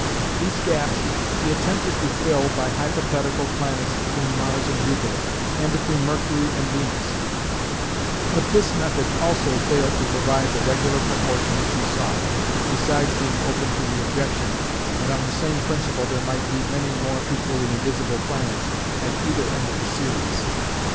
These gaps he attempted to fill by hypothetical planets between Mars and Jupiter, and between Mercury and Venus, but this method also failed to provide the regular proportion which he sought, besides being open to the objection that on the same principle there might be many more equally invisible planets at either end of the series.